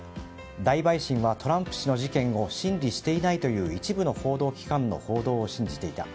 大陪審はトランプ氏の事件を審理していないという一部の報道機関の報道を信じていた。